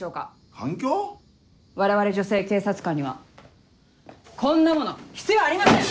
我々女性警察官にはこんなもの必要ありません！